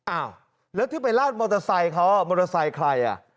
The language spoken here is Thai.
อ้าวแล้วที่ไปลาดมอเซย์เขามอเซย์ใคร